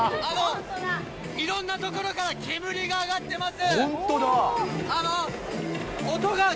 いろんな所から煙が上がってます。